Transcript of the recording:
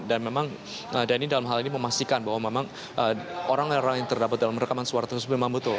dan memang dhani dalam hal ini memastikan bahwa memang orang orang yang terdapat dalam rekaman suara tersebut memang butuh